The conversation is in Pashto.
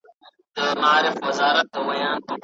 لاره ډېره اوږده وه خو خوند یې وکړ.